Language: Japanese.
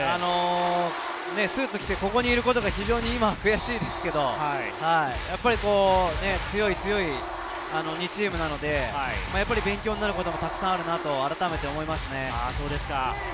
スーツを着て、ここにいることが非常に悔しいですけど、強い強い２チームなので、勉強になることもたくさんあるなと改めて思いますね。